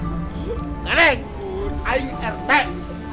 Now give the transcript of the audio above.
cuman dan tamil nya yg balik